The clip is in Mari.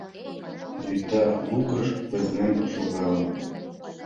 Вӱта лукыш пызнен шогалын.